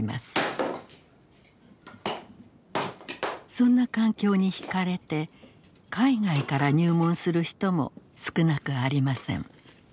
そんな環境にひかれて海外から入門する人も少なくありません。